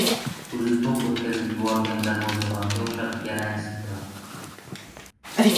o‘zi to‘p o‘tkazib yuborgan darvozabonga o‘xshab garangsib turadi.